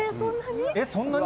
えっ、そんなに？